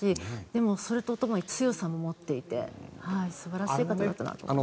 でも、それとともに強さを持っていて素晴らしい方だったなと。